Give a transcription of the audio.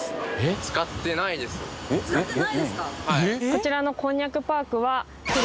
こちらのこんにゃくパークは。